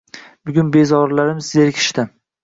“Bugun bezorilarimiz zerikishdi.